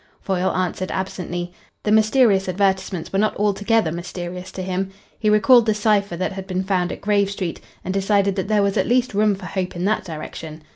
Foyle answered absently. The mysterious advertisements were not altogether mysterious to him. He recalled the cipher that had been found at Grave Street, and decided that there was at least room for hope in that direction.